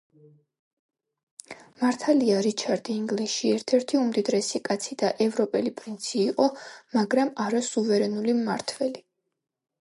მართალია რიჩარდი ინგლისში ერთ-ერთი უმდიდრესი კაცი და ევროპელი პრინცი იყო, მაგრამ არა სუვერენული მმართველი.